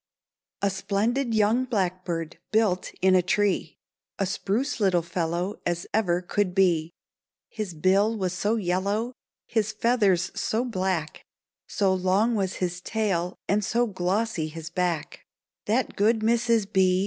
A splendid young blackbird built in a tree; A spruce little fellow as ever could be; His bill was so yellow, his feathers so black, So long was his tail, and so glossy his back, That good Mrs. B.